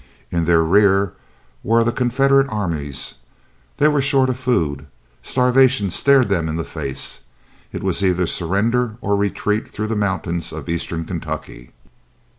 In their rear were the Confederate armies. They were short of food; starvation stared them in the face. It was either surrender or a retreat through the mountains of Eastern Kentucky.